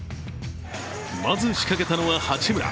まず仕掛けたのは八村。